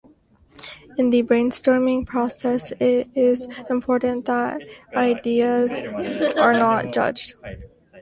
In the Brainstorming process it is important that ideas are not judged.